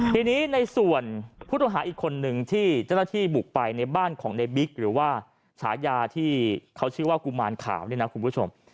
ทีนี้ในส่วนผู้ต้องหาอีกคนนึงที่เจ้าหน้าที่บุกไปในบ้านของในบิ๊กหรือว่าฉายาที่เขาชื่อว่ากุมารขาวเนี่ยนะคุณผู้ชม